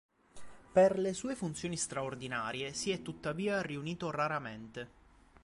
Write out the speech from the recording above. Per le sue funzioni straordinarie si è tuttavia riunito raramente.